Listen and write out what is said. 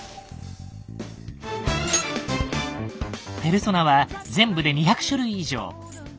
ペルソナは全部で２００種類以上。